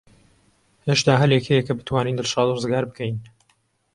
هێشتا هەلێک هەیە کە بتوانین دڵشاد ڕزگار بکەین.